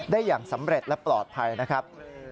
อย่างสำเร็จและปลอดภัยนะครับ